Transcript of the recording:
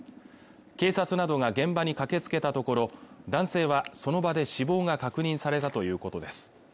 警察などが現場に駆けつけたところ男性はその場で死亡が確認されたということです